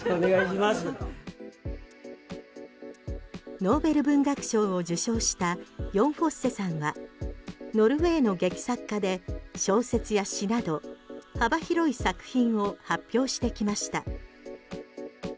ノーベル文学賞を受賞したヨン・フォッセさんはノルウェーの劇作家で小説や詩など幅広い作品を発表してきました。